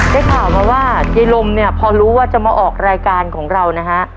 ได้ข่าวมาว่ายายลมเนี่ยพอรู้ว่าจะมาออกรายการของเรานะฮะ